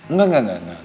enggak enggak enggak